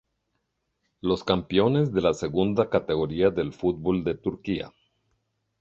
Los campeones de la segunda categoría del fútbol de Turquía.